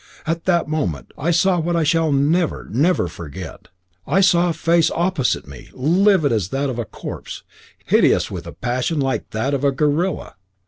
In that moment I saw what I shall never, never forget. I saw a face opposite me, livid as that of a corpse, hideous with passion like that of a gorilla.